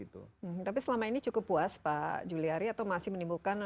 tapi selama ini cukup puas pak juliari atau masih menimbulkan